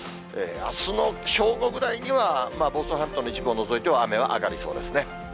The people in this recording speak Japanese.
あすの正午ぐらいには、房総半島の一部を除いては雨は上がりそうですね。